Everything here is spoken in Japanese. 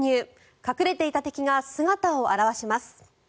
隠れていた敵が姿を現します。